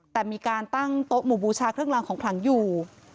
แต่มีการตั้งโต๊ะหมู่บูชาเครื่องรางของขลังอยู่